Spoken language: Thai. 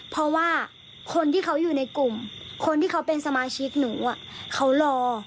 เพราะว่าคนที่เขาอยู่ในกลุ่มคนที่เขาเป็นสมาชิกหนูเขารอ